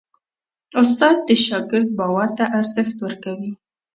استاد د شاګرد باور ته ارزښت ورکوي.